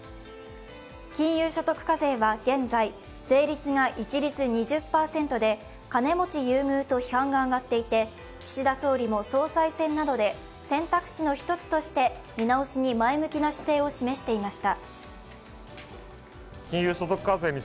金融所得課税は現在、税率が一律２０％で金持ち優遇と批判があがっていて岸田総理も総裁選などで、選択肢の一つとして見直しに前向きな姿勢を示していました。